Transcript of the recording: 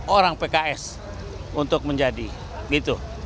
orang pks untuk menjadi gitu